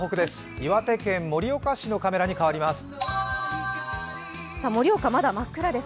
岩手県盛岡市のカメラに変わります。